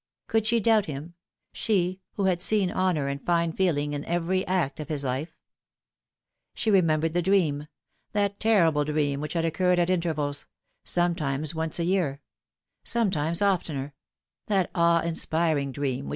Could she doubt him, she who had seen honour and fine feel ing in every act of his life ? She remembered the dream that terrible dream which had occurred at intervals ; sometimes once in a year : sometimes oftener ; that awe inspiring dream which Looking Back.